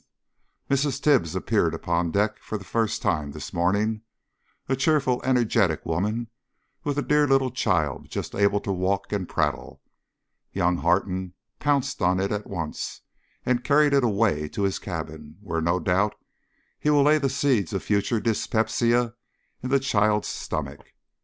Mrs. Tibbs appeared upon deck for the first time this morning a cheerful, energetic woman, with a dear little child just able to walk and prattle. Young Harton pounced on it at once, and carried it away to his cabin, where no doubt he will lay the seeds of future dyspepsia in the child's stomach.